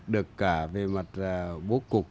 được cả về mặt bố cục